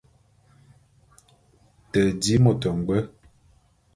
Te di môt ngbwe.